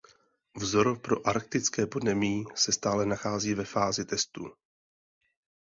Vzor pro arktické podnebí se stále nachází ve fázi testů.